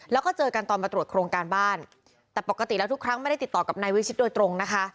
แล้วก็เจอกันตอนมาตรวจโครงการบ้านแต่ปกติแล้วทุกครั้งไม่ได้ติดต่อกับนายวิชิตโดยตรงนะคะ